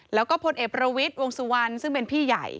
แล้วก็พลเอกประวิทย์วงสุวรรณซึ่งเป็นพี่ใหญ่